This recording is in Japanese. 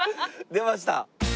出ました！